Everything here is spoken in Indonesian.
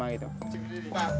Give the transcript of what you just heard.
pak presiden yang pertama